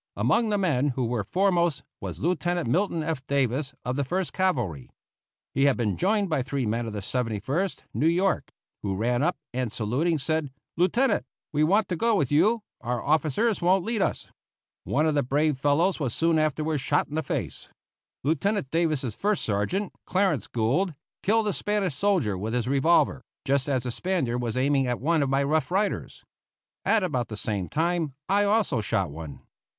Among the men who were foremost was Lieutenant Milton F. Davis, of the First Cavalry. He had been joined by three men of the Seventy first New York, who ran up, and, saluting, said, "Lieutenant, we want to go with you, our officers won't lead us." One of the brave fellows was soon afterward shot in the face. Lieutenant Davis's first sergeant, Clarence Gould, killed a Spanish soldier with his revolver, just as the Spaniard was aiming at one of my Rough Riders. At about the same time I also shot one.